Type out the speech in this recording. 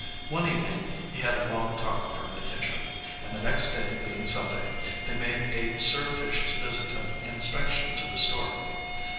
One evening he had a long talk with her in the kitchen, and, the next day be ing Sunday, they made a surreptitious visit of in spection to the store.